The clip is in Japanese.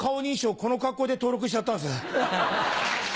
この格好で登録しちゃったんです。